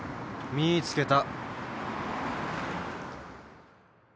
見つけた